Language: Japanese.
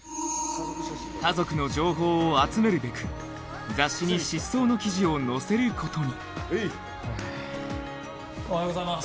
家族の情報を集めるべく雑誌に失踪の記事を載せることにおはようございます。